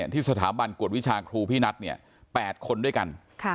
ที่สถาบันกวดวิชาครูพี่นัท๘คนด้วยกัน